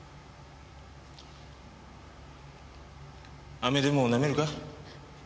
飴でもなめるか？